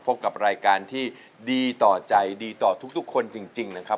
พบกับรายการที่ดีต่อใจดีต่อทุกคนจริงนะครับ